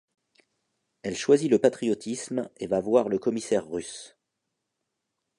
Elle choisit le patriotisme et va voir le commissaire russe.